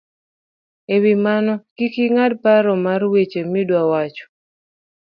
E wi mano, kik ing'ad paro mar weche miduawacho